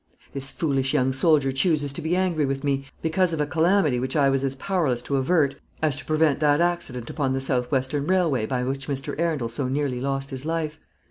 "This foolish young soldier chooses to be angry with me because of a calamity which I was as powerless to avert, as to prevent that accident upon the South Western Railway by which Mr. Arundel so nearly lost his life.